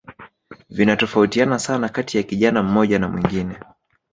Vinatofautiana sana kati ya kijana mmoja na mwingine